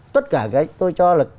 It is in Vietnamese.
tất cả cái tôi cho là